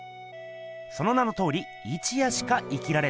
その名のとおり一夜しか生きられない